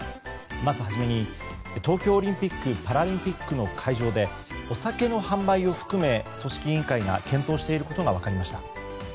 まず初めに東京オリンピック・パラリンピックの会場でお酒の販売を含め組織委員会が検討していることが分かりました。